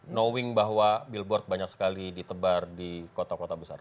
knowing bahwa billboard banyak sekali ditebar di kota kota besar